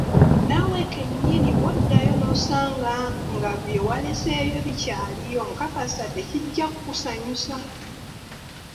Naawe kennyini bwoddayo nosanga nga byewaleseeyo bikyaliyo, nkakasa tekijja kukusanyusa.